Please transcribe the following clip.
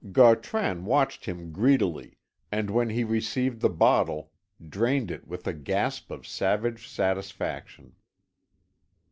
Gautran watched him greedily, and, when he received the bottle, drained it with a gasp of savage satisfaction.